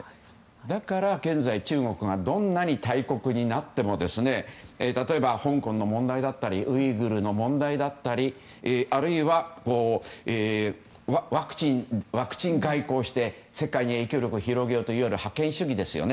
だから現在、中国がどんなに大国になっても例えば、香港の問題だったりウイグルの問題だったりあるいはワクチン外交をして世界に影響力を広げようという覇権主義ですよね。